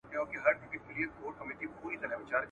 پر سپین آس باندي وو سپور لکه سلطان وو ,